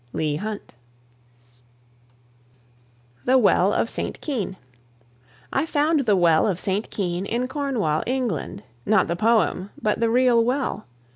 LEIGH HUNT. THE WELL OF ST. KEYNE. I found the Well of St. Keyne in Cornwall, England not the poem, but the real well.